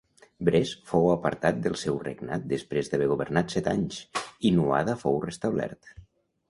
Bres fou apartat del seu regnat després d'haver governat set anys, i Nuada fou restablert.